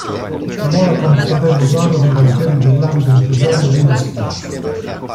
Lavora con il fratello Saro nei cantieri dell'avido impresario Rino Schivo.